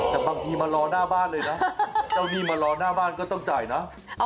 แต่บางทีมารอหน้าบ้านเลยนะเจ้าหนี้มารอหน้าบ้านก็ต้องจ่ายนะ